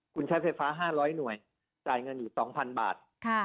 คุณใช้ไฟฟ้า๕๐๐หน่วยจ่ายเงินอยู่๒๐๐๐บาท